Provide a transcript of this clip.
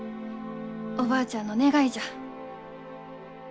おばあちゃんの願いじゃ。